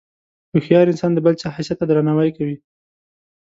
هوښیار انسان د بل چا حیثیت ته درناوی کوي.